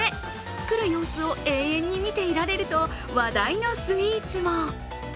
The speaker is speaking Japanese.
作る様子を永遠に見ていられると話題のスイーツも。